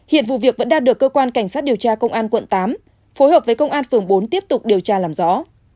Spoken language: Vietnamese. hiện vụ việc vẫn đang được cơ quan cảnh sát điều tra công an quận tám phối hợp với công an phường bốn tiếp tục điều tra làm rõ